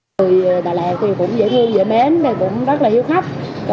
người đà lạt cũng dễ thương dễ mến rất là hiếu khách